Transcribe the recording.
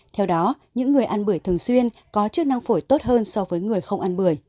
theo đó những người ăn bưởi thường xuyên có chức năng phổi tốt hơn so với người không ăn bưởi